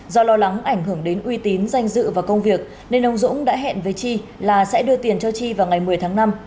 do lo lắng ảnh hưởng đến uy tín danh dự và công việc nên ông dũng đã hẹn với chi là sẽ đưa tiền cho chi vào ngày một mươi tháng năm